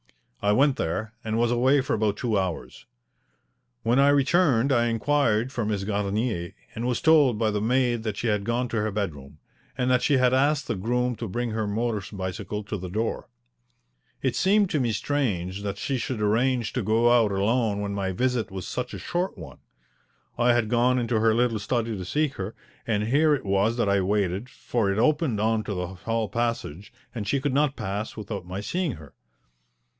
I went there and was away for about two hours. When I returned I inquired for Miss Garnier, and was told by the maid that she had gone to her bedroom, and that she had asked the groom to bring her motor bicycle to the door. It seemed to me strange that she should arrange to go out alone when my visit was such a short one. I had gone into her little study to seek her, and here it was that I waited, for it opened on to the hall passage, and she could not pass without my seeing her.